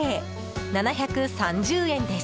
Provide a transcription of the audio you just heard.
７３０円です。